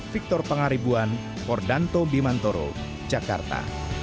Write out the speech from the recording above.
victor pengaribuan kordanto bimantoro jakarta